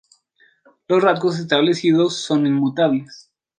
Los rasgos establecidos no son inmutables.